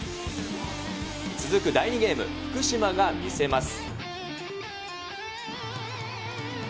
続く第２ゲーム、福島が見せます。